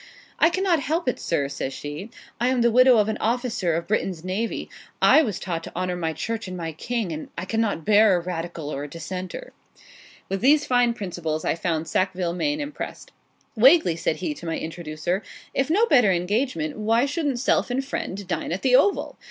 'I cannot help it, sir,' says she; 'I am the widow of an officer of Britain's Navy: I was taught to honour my Church and my King: and I cannot bear a Radical or a Dissenter.' With these fine principles I found Sackville Maine impressed. 'Wagley,' said he, to my introducer, 'if no better engagement, why shouldn't self and friend dine at the "Oval?"